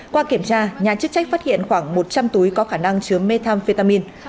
qua kiểm tra nhà chức trách phát hiện khoảng một trăm linh túi có khả năng chứa methamphetamin